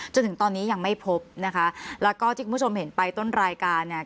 จนถึงตอนนี้ยังไม่พบนะคะแล้วก็ที่คุณผู้ชมเห็นไปต้นรายการเนี่ย